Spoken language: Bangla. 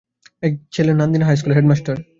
এক ছেলে নান্দিনা হাইস্কুলের হেড মাস্টার।